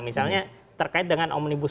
misalnya terkait dengan omnibus